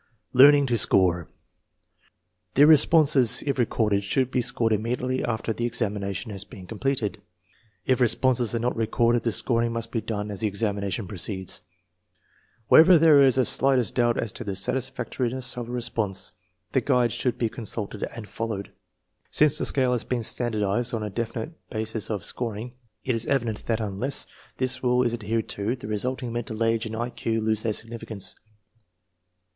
Learning to score. The responses, if recorded, should be scored immediately after the examination has been completed. If responses are not recorded, the scoring must be done as the examination proceeds. Wherever there is the slightest doubt as to the satis f actoriness of a response, the guide should be consulted and followed. Since the scale has been standardized on a definite basis of scoring, it is evident that unless 296 INTELLIGENCE OF SCHOOL CHILDREN this rule is adhered to, the resulting mental age and I Q lose their significance.